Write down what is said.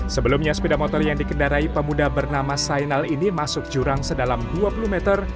sebelumnya sepeda motor yang dikendarai pemuda bernama zainal ini masuk jurang sedalam dua puluh meter